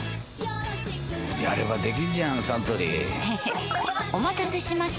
やればできんじゃんサントリーへへっお待たせしました！